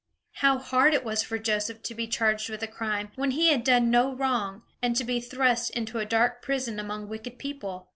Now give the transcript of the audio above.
How hard it was for Joseph to be charged with a crime, when he had done no wrong, and to be thrust into a dark prison among wicked people!